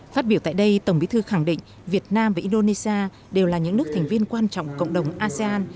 phát biểu tại đây tổng bí thư khẳng định việt nam và indonesia đều là những nước thành viên quan trọng cộng đồng asean